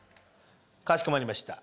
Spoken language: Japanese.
かしこまりました。